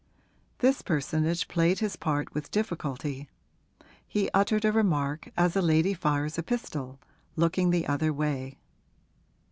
This personage played his part with difficulty: he uttered a remark as a lady fires a pistol, looking the other way.